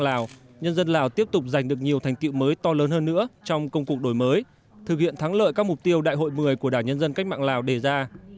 đảng đã đạt được nhiều thành tiệu mới to lớn hơn nữa trong công cục đổi mới thực hiện thắng lợi các mục tiêu đại hội một mươi của đảng nhân dân cách mạng lào đề ra